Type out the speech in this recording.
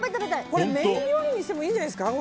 これ、メイン料理にしてもいいんじゃないですか？